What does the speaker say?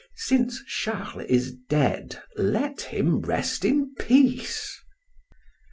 Since Charles is dead, let him rest in peace."